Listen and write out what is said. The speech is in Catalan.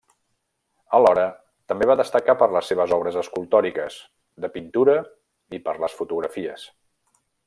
Alhora, també va destacar per les seves obres escultòriques, de pintura i per les fotografies.